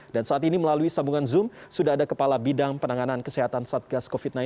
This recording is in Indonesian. dan saat ini melalui sambungan zoom sudah ada kepala bidang penanganan kesehatan satgas covid sembilan belas